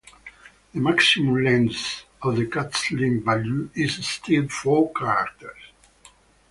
The maximum length of the castling value is still four characters.